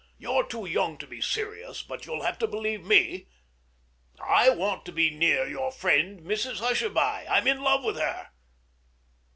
You're too young to be serious; but you'll have to believe me. I want to be near your friend Mrs Hushabye. I'm in love with her.